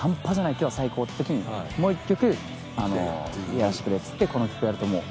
今日は最高って時にもう１曲やらせてくれっつってこの曲やるともう。